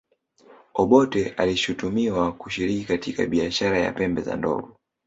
obote alishutumiwa kushiriki katika biashara ya pembe za ndovu